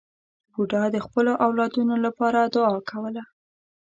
بوډا د خپلو اولادونو لپاره دعا کوله.